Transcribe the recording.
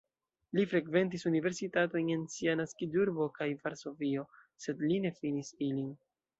Li frekventis universitatojn en sia naskiĝurbo kaj Varsovio, sed li ne finis ilin.